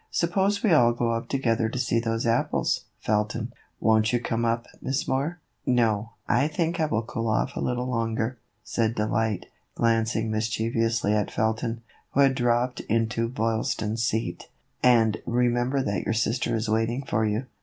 " Suppose we all go up together to see those apples, Felton ? Won't you come up, Miss Moore ?"" No ; I think I will cool off a little longer," said Delight, glancing mischievously at Felton, who had dropped into Boylston's seat. "And remember that your sister is waiting for you."